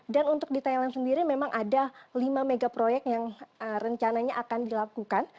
dan untuk di thailand sendiri memang ada lima megaproyek yang rencananya akan dilakukan